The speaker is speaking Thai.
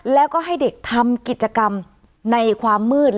แล้วก็ให้เด็กทำกิจกรรมในความมืด